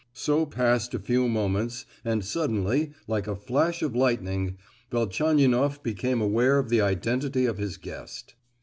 So passed a few moments, and suddenly, like a flash of lightning, Velchaninoff became aware of the identity of his guest.